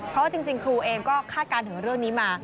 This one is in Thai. เพราะว่าจริงครูเองก็คาดการณ์ถึงเรื่องนี้มา